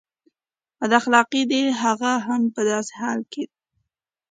بد اخلاقي ده هغه هم په داسې حال کې.